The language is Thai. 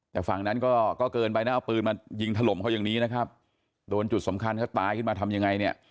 แต่ฝั่งนั้นก็ก็เกินไปนะเอาปืนมายิงถล่มเขาอย่างนี้นะครับโดนจุดสำคัญเขาตายขึ้นมาทำยังไงเนี่ย